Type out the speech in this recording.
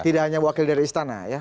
tidak hanya wakil dari istana ya